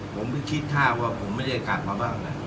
ผมไม่คิดท่าว่าผมไม่ได้กลับมาบ้าน